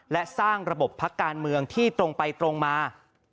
และสร้างระบบพักการเมืองที่ตรงไปตรงมา